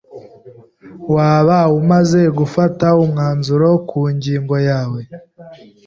Waba umaze gufata umwanzuro ku ngingo yawe?